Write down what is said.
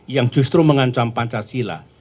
yang justru mengancam pancasila